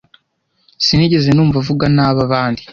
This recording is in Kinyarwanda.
Sinigeze numva avuga nabi abandi.